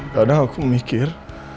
kadang aku mikir